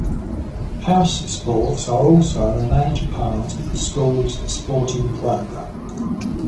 House sports are also a major part of the school's sporting program.